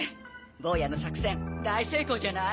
坊やの作戦大成功じゃない。